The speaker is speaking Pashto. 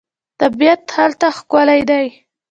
طبیعت هلته ښکلی دی.